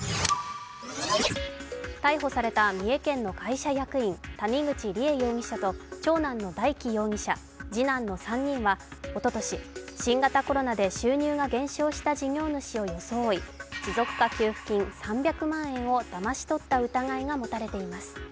逮捕された三重県の会社役員谷口梨恵容疑者と長男の大祈容疑者、次男の３人はおととし新型コロナで収入が減少した事業主を装い持続化給付金３００万円をだまし取った疑いが持たれています。